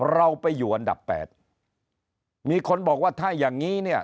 เราไปอยู่อันดับแปดมีคนบอกว่าถ้าอย่างงี้เนี่ย